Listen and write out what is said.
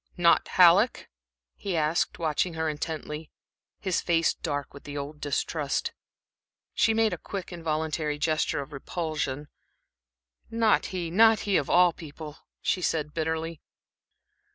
"Not Halleck?" he asked, watching her intently, his face dark with the old distrust. She made a quick, involuntary gesture of repulsion. "Not he not he, of all people," she said, bitterly.